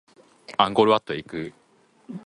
アンコールワットへ行く